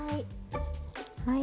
はい。